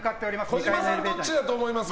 児嶋さんはどっちだと思いますか。